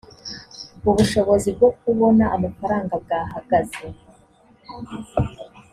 ubushobozi bwo kubona amafaranga bwahagaze